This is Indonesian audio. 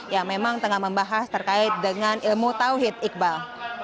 yang memang tengah membahas terkait dengan ilmu tawhid iqbal